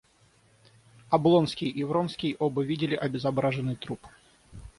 Облонский и Вронский оба видели обезображенный труп.